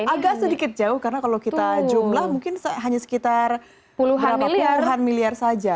agak sedikit jauh karena kalau kita jumlah mungkin hanya sekitar berapa puluhan miliar saja